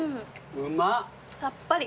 うま！さっぱり。